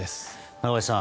中林さん